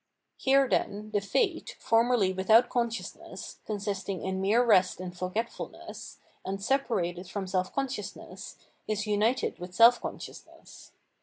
Here, then, the Fate, formerly without conscious ness, consisting in mere rest and forgetfulness, and separated from self consciousness, is united with self consciousness.